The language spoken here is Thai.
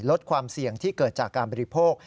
ลดความเสี่ยงที่เกิดจากการบริโภค